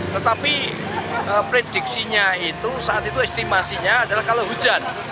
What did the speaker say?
tetapi prediksinya itu saat itu estimasinya adalah kalau hujan